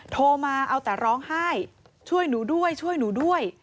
โทรมาเอาแต่ร้องไห้ช่วยหนูด้วยช่วยหนูด้วย